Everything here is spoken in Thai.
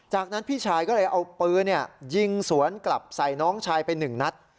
จากนั้นพี่ชายก็เลยเอาปืนยิงสวนกลับใส่น้องชายไปหนึ่งนัด